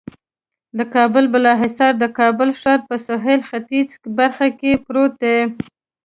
د کابل بالا حصار د کابل ښار په سهیل ختیځه برخه کې پروت دی.